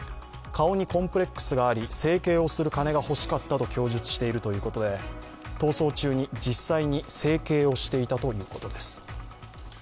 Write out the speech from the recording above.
顔にコンプレックスがあり整形する金が欲しかったと供述しているということで逃走中に実際に整形をしていたということです。